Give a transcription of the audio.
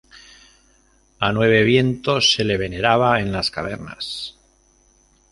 A Nueve Viento se le veneraba en las cavernas.